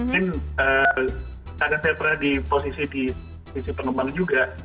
mungkin karena saya pernah di posisi di sisi pengembang juga